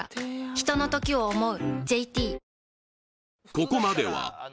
ひとのときを、想う。